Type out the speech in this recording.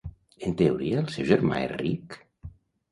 En teoria el seu germà és ric?